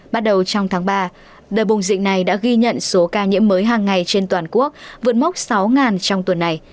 bắt đầu trong tháng ba đợt bùng dịch này đã ghi nhận số ca nhiễm mới hàng ngày trên toàn quốc vượt mốc sáu trong tuần này